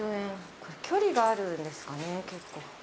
距離があるんですかね結構。